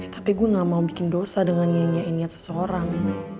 tapi gue gak mau bikin dosa dengan nyanyia niat seseorang